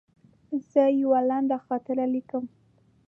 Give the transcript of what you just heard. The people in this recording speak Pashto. زه یوه لنډه خاطره لیکم.